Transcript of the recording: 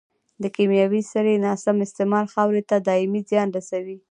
د کيمیاوي سرې ناسم استعمال خاورې ته دائمي زیان رسوي.